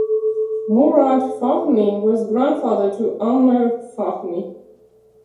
Mourad Fahmy was grandfather to Amr Fahmy.